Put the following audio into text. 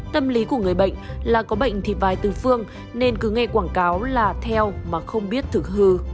tâm lý của người bệnh là có bệnh thịt vai tư phương nên cứ nghe quảng cáo là theo mà không biết thực hư